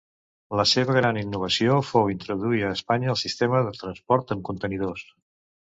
La seva gran innovació fou introduir a Espanya el sistema de transport amb contenidors.